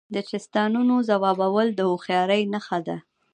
د چیستانونو ځوابول د هوښیارۍ نښه ده.